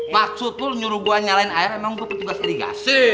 maksudku nyuruh gue nyalain air emang gue petugas irigasi